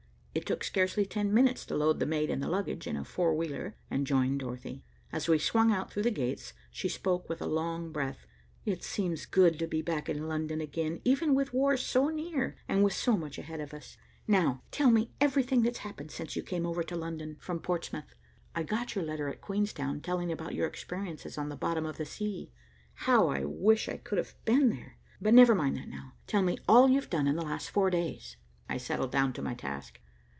It took scarcely ten minutes to load the maid and the luggage in a four wheeler and join Dorothy. As we swung out through the gates, she spoke with a long breath. "It seems good to be back in London again, even with war so near and with so much ahead of us. Now, tell me everything that's happened since you came over to London from Portsmouth. I got your letter at Queenstown telling about your experiences on the bottom of the sea. How I wish I could have been there. But never mind that now. Tell me all you've done in the last four days." I settled down to my task.